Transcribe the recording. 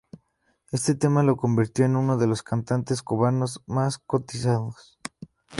Este tema lo convirtió en uno de los cantantes cubanos más cotizados.